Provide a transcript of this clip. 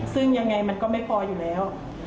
ซึ่งยังไงมันก็ไม่พออยู่แล้ว